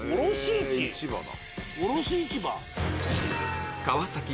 ⁉市場だ。